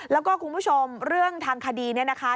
แล้วก็คุณผู้ชมเรื่องทางคดีเนี่ยนะคะ